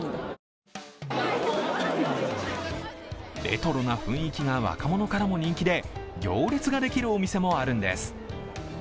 レトロな雰囲気が若者からも人気で行列ができるお店もあるんです。